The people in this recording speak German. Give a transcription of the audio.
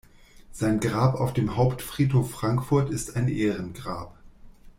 Sein Grab auf dem Hauptfriedhof Frankfurt ist ein Ehrengrab.